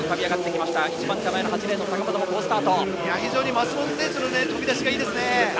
松元選手の飛び出しがいいですね。